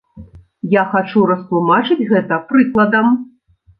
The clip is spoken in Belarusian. Я хачу растлумачыць гэта прыкладам.